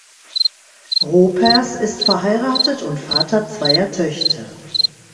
Ropers ist verheiratet und Vater zweier Töchter.